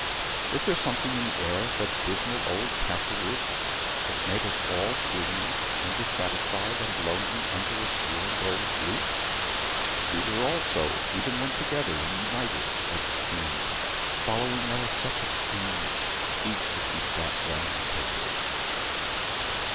Was there something in the air of that dismal old Castlewood that made us all gloomy, and dissatisfied, and lonely under its ruined old roof? We were all so, even when together and united, as it seemed, following our separate schemes, each as we sat round the table."